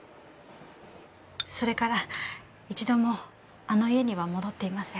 それから一度もあの家には戻っていません。